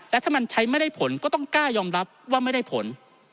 และถ้ามันใช้ไม่ได้ผลก็ต้องกล้ายอมรับว่าไม่ได้ผล